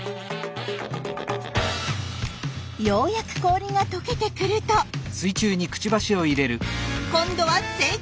ようやく氷がとけてくると今度は成功。